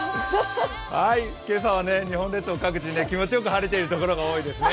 今朝は日本列島各地気持ちよく晴れているところが多いですね。